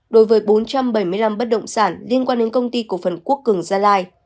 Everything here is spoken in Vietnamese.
đối với bốn trăm bảy mươi năm bất động sản liên quan đến công ty cổ phần quốc cường gia lai